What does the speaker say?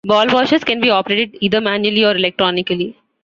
Ball washers can be operated either manually or electronically.